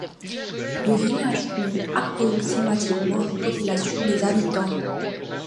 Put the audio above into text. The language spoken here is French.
Le village compte approximativement une population de habitants.